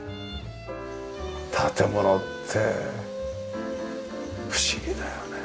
建物って不思議だよね。